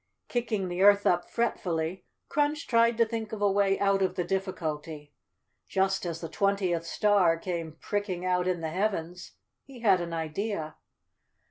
Kicking the earth up fretfully, Crunch tried to think of a way out of the difficulty. Just as the twentieth star came pricking out in the Heavens, he had an idea.